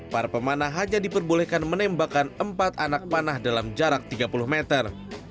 para pemanah hanya diperbolehkan menembakkan empat anak panah dalam jarak tiga puluh meter